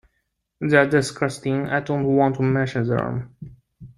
They're disgusting; I don't want to mention them.